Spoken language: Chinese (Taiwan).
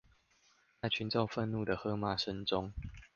在群眾憤怒的喝罵聲中